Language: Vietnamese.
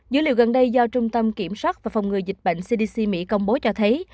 dữ liệu gần đây do trung tâm kiểm soát và phòng ngừa dịch bệnh cdc mỹ công bố cho thấy